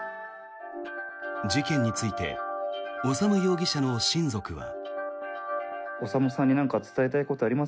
事件について修容疑者の親族は。